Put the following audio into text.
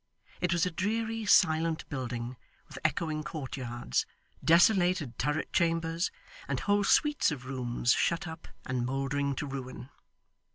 It was a dreary, silent building, with echoing courtyards, desolated turret chambers, and whole suites of rooms shut up and mouldering to ruin.